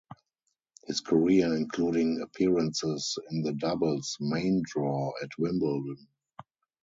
His career including appearances in the doubles main draw at Wimbledon.